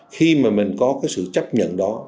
khi mà mình có cái sự chấp nhận đó